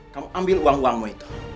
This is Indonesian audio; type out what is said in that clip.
kamu ambil uang uangmu itu